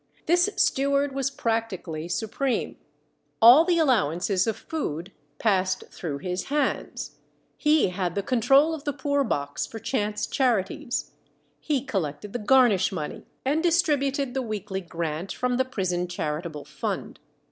This steward was practically supreme. All the allowances of food passed through his hands; he had the control of the poor box for chance charities, he collected the garnish money, and distributed the weekly grant from the prison charitable fund.